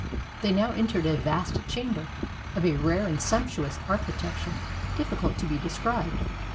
They now entered a vast chamber, of a rare and sumptuous architecture difficult to be described.